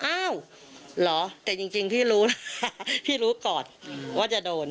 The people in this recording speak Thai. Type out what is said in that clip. อ้าวเหรอแต่จริงพี่รู้นะพี่รู้ก่อนว่าจะโดน